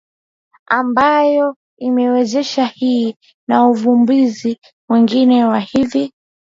ambayo imewezesha hii na uvumbuzi mwingine wa hivi